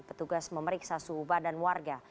petugas memeriksa suhu badan warga